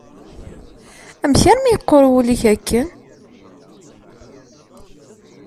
Amek armi yeqqur wul-im akken?